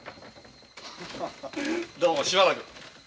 どうもしばらく。